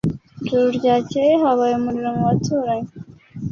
Ijoro ryakeye habaye umuriro mu baturanyi.